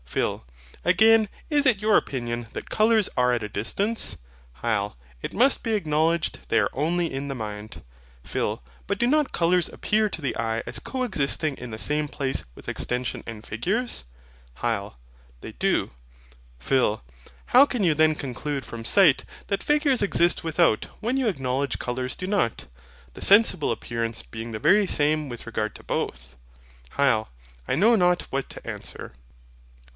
PHIL. Again, is it your opinion that colours are at a distance? HYL. It must be acknowledged they are only in the mind. PHIL. But do not colours appear to the eye as coexisting in the same place with extension and figures? HYL. They do. PHIL. How can you then conclude from sight that figures exist without, when you acknowledge colours do not; the sensible appearance being the very same with regard to both? HYL. I know not what to answer.